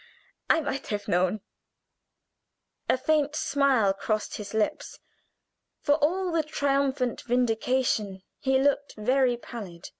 I might have known " A faint smile crossed his lips. For all the triumphant vindication, he looked very pallid.